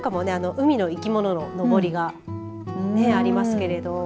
海の生き物ののぼりがありますけれど。